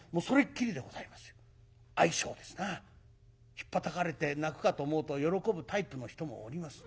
ひっぱたかれて泣くかと思うと喜ぶタイプの人もおります。